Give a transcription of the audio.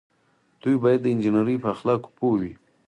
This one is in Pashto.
دوی باید د انجنیری په اخلاقو پوه وي.